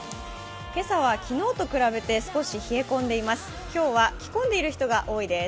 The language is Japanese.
けさは昨日と比べて少し冷え込んでいます。